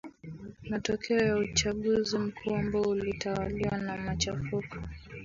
matokeo ya uchaguzi mkuu ambao ulitawaliwa na machafuko